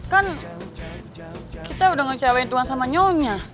kan kita udah ngecewain tuhan sama nyonya